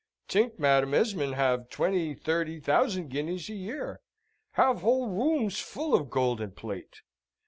Tink, Madam Esmond have twenty thirty thousand guineas a year, have whole rooms full of gold and plate.